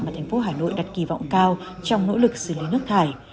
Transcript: mà thành phố hà nội đặt kỳ vọng cao trong nỗ lực xử lý nước thải